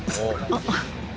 あっ。